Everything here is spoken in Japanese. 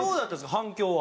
反響は。